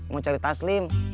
mau cari taslim